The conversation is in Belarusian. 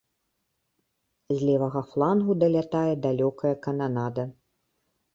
З левага флангу далятае далёкая кананада.